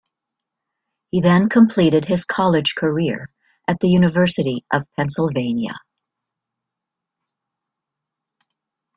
He then completed his college career at the University of Pennsylvania.